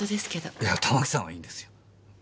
いやたまきさんはいいんですよ。